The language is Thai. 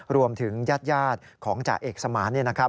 รวมถึงญาติยาดของจ่าเอกสมาน